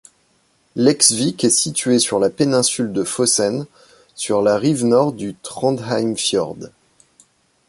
Leksvik est situé sur la péninsule de Fosen, sur la rive nord du Trondheimfjord.